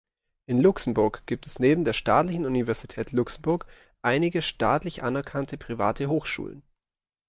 In Luxemburg gibt es neben der staatlichen Universität Luxemburg einige staatlich anerkannte private Hochschulen.